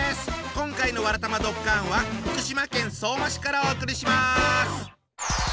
今回の「わらたまドッカン」は福島県相馬市からお送りします。